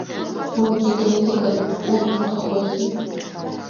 Уигьы критикатә усумҭамхози.